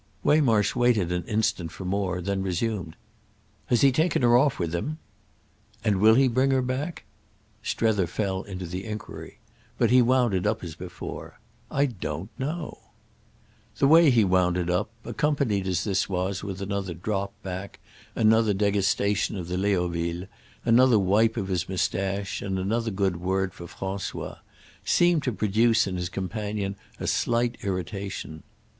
Waymarsh waited an instant for more, then resumed. "Has he taken her off with him?" "And will he bring her back?"—Strether fell into the enquiry. But he wound it up as before. "I don't know." The way he wound it up, accompanied as this was with another drop back, another degustation of the Léoville, another wipe of his moustache and another good word for François, seemed to produce in his companion a slight irritation.